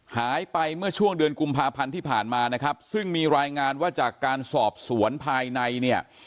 หายไปเมื่อช่วงเดือนกุมภาพันธ์ที่ผ่านมานะครับซึ่งมีรายงานว่าจากการสอบสวนภายในเนี่ย